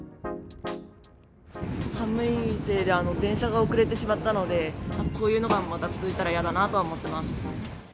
寒いせいで、電車が遅れてしまったので、こういうのがまた続いたら嫌だなとは思っています。